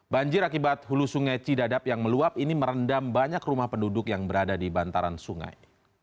banjir akibat hulu sungai cidadap yang meluap ini merendam banyak rumah penduduk yang berada di bantaran sungai